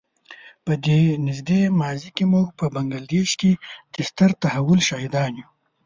په نږدې ماضي کې موږ په بنګله دېش کې د ستر تحول شاهدان یو.